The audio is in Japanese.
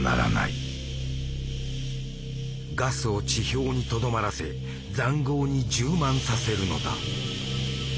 ガスを地表にとどまらせ塹壕に充満させるのだ。